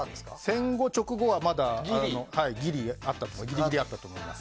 戦後直後はまだギリギリあったと思います。